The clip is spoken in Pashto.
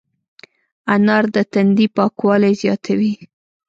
انار د تندي پاکوالی زیاتوي.